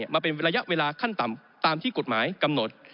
มาเป็นระยะเวลาขั้นต่ำตามที่กฎหมายกำหนด